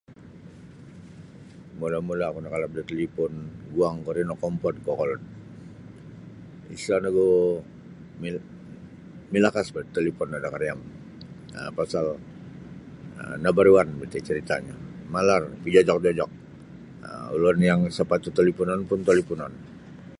Mula-mula' oku nakalap da talipon guangku ri nokompod kokolod isa' nogu mil milakas boh talipon no da kariamku pasal nabaruan biti carita'nyo malar pijojok-jojok ulun isa' patut talipunon pun talipunon.